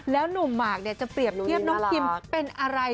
หนุ่มหมากจะเปรียบเทียบน้องคิมเป็นอะไร